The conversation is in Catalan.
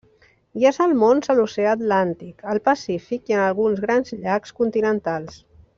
Hi ha salmons a l'Oceà Atlàntic, al Pacífic i en alguns grans llacs continentals.